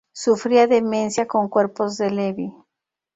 Sufría demencia con cuerpos de Lewy.